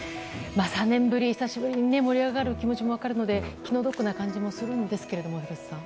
３年ぶりで久しぶりに盛り上がる気持ちも分かるので気の毒な感じもするんですが廣瀬さん。